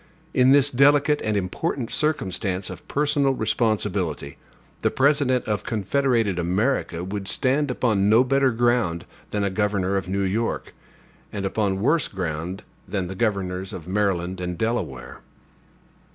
In this delicate and important circumstance of personal responsibility, the President of Confederated America would stand upon no better ground than a governor of New York, and upon worse ground than the governors of Maryland and Delaware.